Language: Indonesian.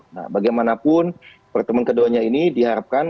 nah bagaimanapun pertemuan keduanya ini diharapkan